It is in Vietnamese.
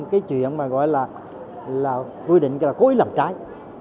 cái chuyện mà gọi là quy định là cố ý làm trái